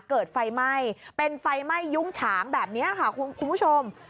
เกิดไฟไหม้เป็นไฟไหม้ยุ้งฉางแบบนี้ค่ะคุณผู้ชม